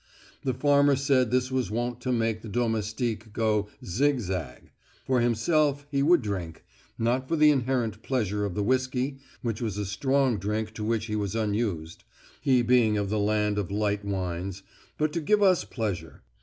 The farmer said this was wont to make the domestique go 'zigzag'; for himself, he would drink, not for the inherent pleasure of the whiskey, which was a strong drink to which he was unused, he being of the land of light wines, but to give us pleasure!